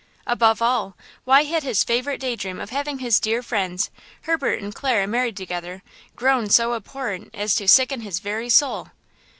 Above all, why had his favorite day dream of having his dear friends, Herbert and Clara married together, grown so abhorrent as to sicken his very soul?